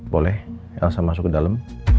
boleh elsa masuk ke dalam